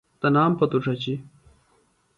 تنام پتوۡ ݜچیۡ